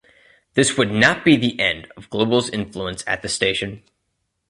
This would not be the end of Global's influence at the station.